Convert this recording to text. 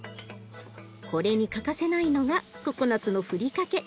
これに欠かせないのがココナツのふりかけ。